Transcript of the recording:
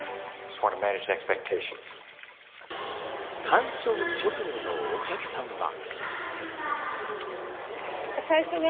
鑑賞直後のお客さんは。